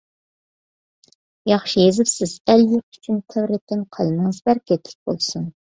ياخشى يېزىپسىز. ئەل-يۇرت ئۈچۈن تەۋرەتكەن قەلىمىڭىز بەرىكەتلىك بولسۇن!